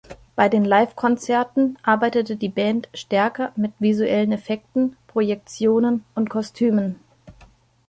Bei den Livekonzerten arbeitete die Band stärker mit visuellen Effekten, Projektionen und Kostümen.